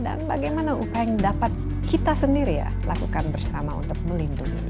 dan bagaimana upaya yang dapat kita sendiri ya lakukan bersama untuk melindungi